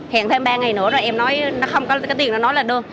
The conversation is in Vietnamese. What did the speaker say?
hẹn thêm ba ngày nữa rồi em nói nó không có cái tiền nó nói là được